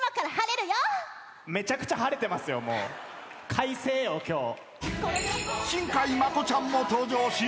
快晴よ今日。